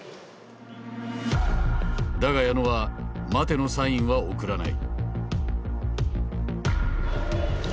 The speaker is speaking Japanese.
だが矢野は「待て」のサインは送らない。